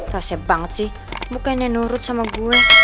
rasa banget sih bukannya nurut sama gue